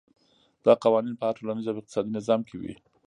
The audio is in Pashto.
دا قوانین په هر ټولنیز او اقتصادي نظام کې وي.